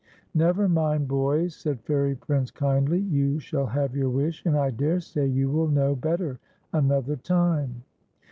"Never mind, boys," said Fairy Prince kindly, "you shall have your wish, and I dare say you will know better another time."